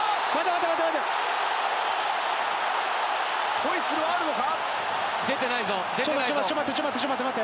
ホイッスルはあるのか？